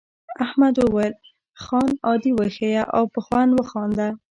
احمد وویل خان عادي وښیه او په خوند وخانده.